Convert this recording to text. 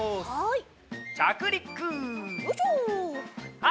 はい！